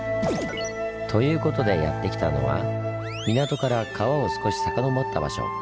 ということでやってきたのは港から川を少し遡った場所。